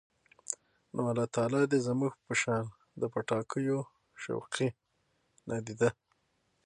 نو الله تعالی دې زموږ په شان د پټاکیو شوقي، نادیده